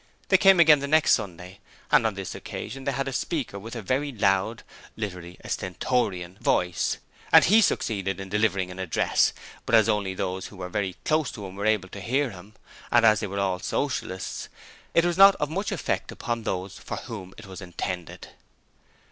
They came again the next Sunday, and on this occasion they had a speaker with a very loud literally a stentorian voice, and he succeeded in delivering an address, but as only those who were very close were able to hear him, and as they were all Socialists, it was not of much effect upon those for whom it was intended.